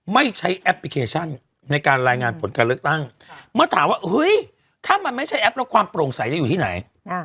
ไม่ใช่แอปปลิเคชันมาถามว่าเฮ้ยถ้ามันไม่ใช่แอปแล้วความโปร่งใสจะอยู่ที่ไหน